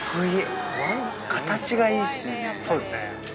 そうですね。